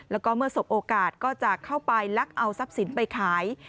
แล้วก็เมื่อสบโอกาสก็จะเข้าไปลักเอาทรัพย์สินไปขาย